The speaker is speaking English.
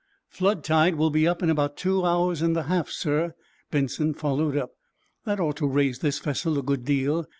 "Flood tide will be in in about two hours and a half, sir," Benson followed up. "That ought to raise this vessel a good deal.